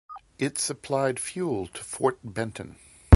It supplied fuel to Fort Benton.